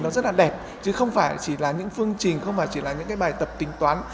nó rất là đẹp chứ không phải chỉ là những phương trình không phải chỉ là những cái bài tập tính toán